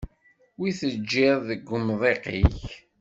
Wi teǧǧiḍ deg wemḍiq-ik?